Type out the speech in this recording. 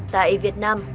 tại việt nam